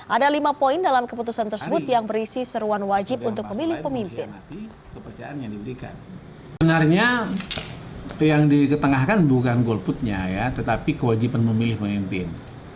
ada lima poin dalam keputusan tersebut yang berisi seruan wajib untuk pemilih pemimpin